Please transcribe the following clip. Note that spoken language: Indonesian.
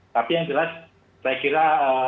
tapi yang jelas saya kira